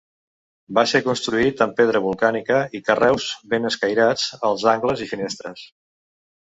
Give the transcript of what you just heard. Va ser construït amb pedra volcànica i carreus ben escairats als angles i finestres.